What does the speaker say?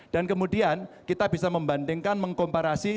dan kemudian kita bisa membandingkan mengkomparasi